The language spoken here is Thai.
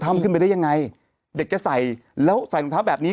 ทำขึ้นไปได้ยังไงเด็กจะใส่แล้วใส่รองเท้าแบบนี้